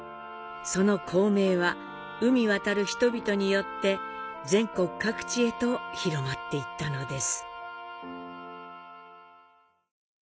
海渡る人々によって全国各地へと広まっていったのです。